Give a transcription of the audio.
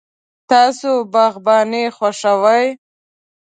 تاسو باغباني خوښوئ؟